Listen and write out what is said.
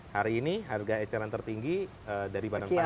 hari ini harga eceran tertinggi dari badan pangan